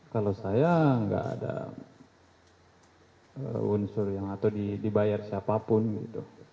kalau saya nggak ada unsur yang atau dibayar siapapun gitu